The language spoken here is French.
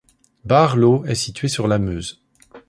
Baarlo est situé sur la Meuse.